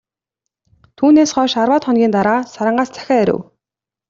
Түүнээс хойш арваад хоногийн дараа, Сарангаас захиа ирэв.